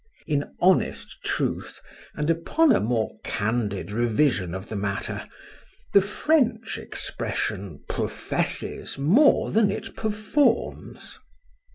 In honest truth, and upon a more candid revision of the matter, The French expression professes more than it performs.